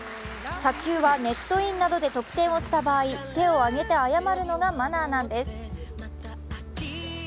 卓球はネットインなどで得点をした場合、手を挙げて謝るのがマナーなんです。